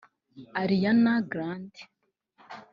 Ariana Grande